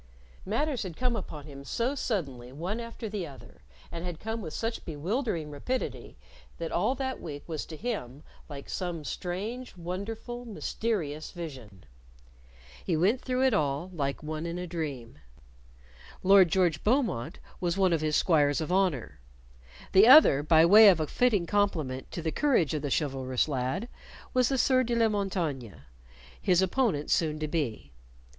Matters had come upon him so suddenly one after the other, and had come with such bewildering rapidity that all that week was to him like some strange, wonderful, mysterious vision. He went through it all like one in a dream. Lord George Beaumont was one of his squires of honor; the other, by way of a fitting complement to the courage of the chivalrous lad, was the Sieur de la Montaigne, his opponent soon to be.